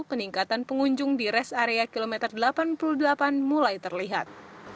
peningkatan pengunjung di res area kilometer delapan puluh delapan mulai terlihat